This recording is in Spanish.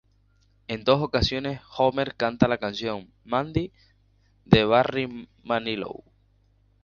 En dos ocasiones Homer canta la canción "Mandy" de Barry Manilow.